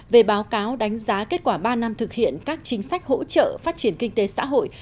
về báo cáo đánh giá kết quả ba năm thực hiện các chính sách hỗ trợ phát triển kinh tế xã hội